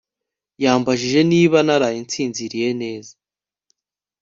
Yambajije niba naraye nsinziriye neza